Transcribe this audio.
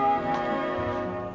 eh pak rahim